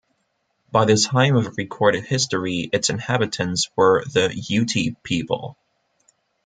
By the time of recorded history its inhabitants were the Ute people.